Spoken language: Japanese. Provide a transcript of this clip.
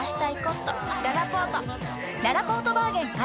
ららぽーとバーゲン開催！